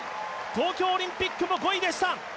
東京オリンピックも５位でした。